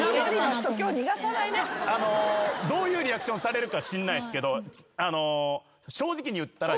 どういうリアクションされるかしんないですけど正直に言ったら。